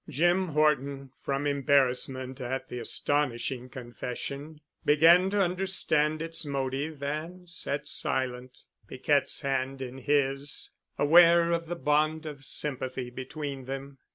Jim Horton, from embarrassment at the astonishing confession, began to understand its motive and sat silent, Piquette's hand in his, aware of the bond of sympathy between them.